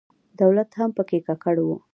دولت هم په کې ککړ و.